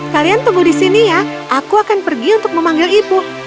kalian tunggu di sini ya aku akan pergi untuk memanggil ibu